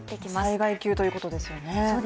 災害級ということですよね。